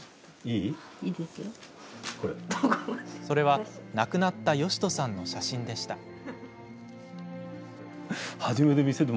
それは、亡くなった良人さんの写真でした。